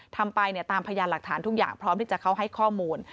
ทำไปตามพยานหลักฐานทุกอย่างพร้อมที่จะเข้าให้ข้อมูล